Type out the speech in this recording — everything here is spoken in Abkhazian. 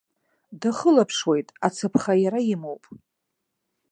Дахылаԥшуеит, ацаԥха иара имоуп.